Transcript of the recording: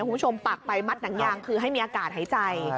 แล้วคุณผู้ชมปากไปมัดหนังยางคือให้มีอากาศหายใจ